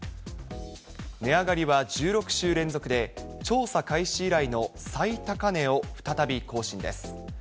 値上がりは１６週連続で、調査開始以来の最高値を再び更新です。